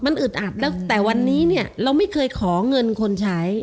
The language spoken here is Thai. มันอึดอัดแล้วแต่วันนี้เนี่ยเราไม่เคยขอเงินคนใช้